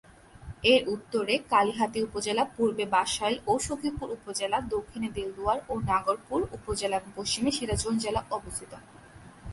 এর উত্তরে কালিহাতি উপজেলা, পূর্বে বাসাইল ও সখিপুর উপজেলা, দক্ষিণে দেলদুয়ার ও নাগরপুর উপজেলা এবং পশ্চিমে সিরাজগঞ্জ জেলা অবস্থিত।